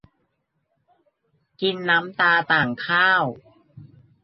กินน้ำตาต่างข้าว